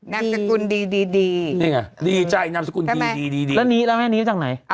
นามสกุลดีดีนี่ไงดีใจนามสกุลดีดีแล้วนี้แล้วแม่นี้จากไหน